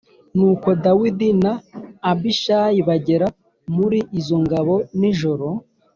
Nuko Dawidi na Abishayi bagera muri izo ngabo nijoro